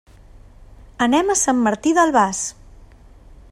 Anem a Sant Martí d'Albars.